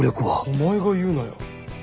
お前が言うなよ。